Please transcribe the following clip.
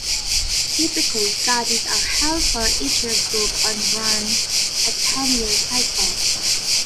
Typically, gaudies are held for each year-group on around a ten-year cycle.